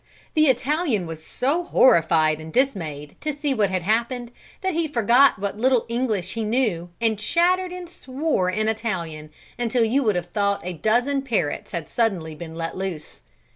The Italian was so horrified and dismayed to see what had happened that he forgot what little English he knew and chattered and swore in Italian until you would have thought a dozen parrots had been suddenly let loose.